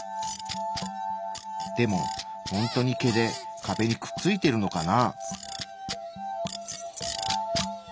でもホントに毛で壁にくっついてるのかな？